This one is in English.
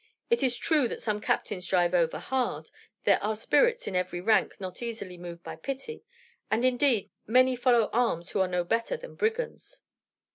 It is true that some captains drive overhard; there are spirits in every rank not easily moved by pity; and, indeed, many follow arms who are no better than brigands."